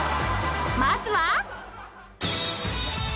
［まずは］